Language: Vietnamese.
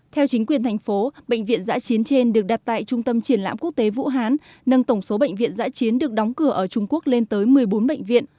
theo chính quyền thành phố bệnh viện giã chiến trên được đặt tại trung tâm triển lãm quốc tế vũ hán nâng tổng số bệnh viện giã chiến được đóng cửa ở trung quốc lên tới một mươi bốn bệnh viện